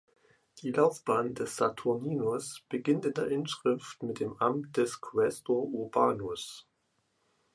Die Laufbahn des Saturninus beginnt in der Inschrift mit dem Amt des Quaestor urbanus.